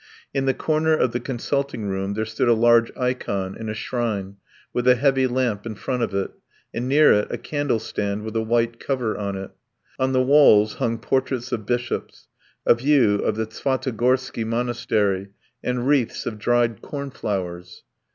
In the corner of the consulting room there stood a large ikon in a shrine with a heavy lamp in front of it, and near it a candle stand with a white cover on it. On the walls hung portraits of bishops, a view of the Svyatogorsky Monastery, and wreaths of dried cornflowers.